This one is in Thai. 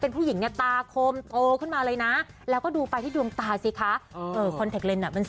เป็นผู้หญิงเนี่ยตาคม